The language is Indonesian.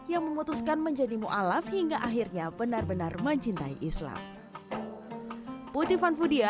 yang memutuskan menjadi ⁇ mualaf ⁇ hingga akhirnya benar benar mencintai islam